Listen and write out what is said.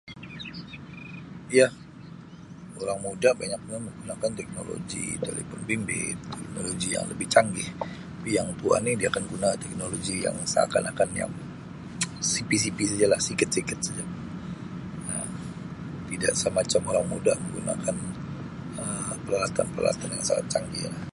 Ya, orang muda banyaknya menggunakan teknologi talipon bimbit, teknologi yang lebih canggih tapi yang tua ni dia akan guna teknologi yang seakan-akan yang sipi-sipi sajalah, sikit-sikit saja Um tidak semacam orang muda menggunakan Um peralatan-peralatan yang sangat canggih lah.